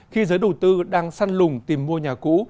khi giới đầu tư đang săn lùng tìm mua nhà cũ